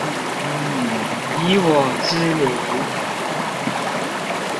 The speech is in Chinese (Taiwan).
以我之名